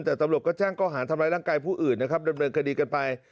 แต่ตำรวจก็แจ้งก้อหารทำร้ายร่างกายผู้อื่นนะครับดำเนินคดีกันไป